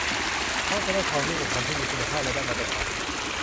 เพราะจะได้ทองรูปพรรณที่มีคุณภาพและได้มาตรฐาน